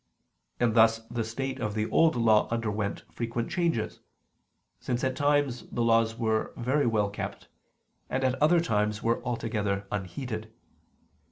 And thus the state of the Old Law underwent frequent changes, since at times the laws were very well kept, and at other times were altogether unheeded.